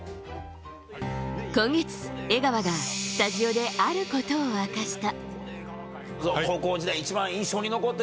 今月、江川がスタジオであることを明かした。